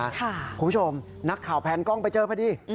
คุณผู้ชมนักข่าวแพนกล้องไปเจอพอดี